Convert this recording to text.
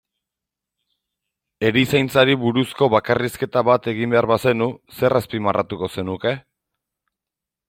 Erizaintzari buruzko bakarrizketa bat egin behar bazenu, zer azpimarratuko zenuke?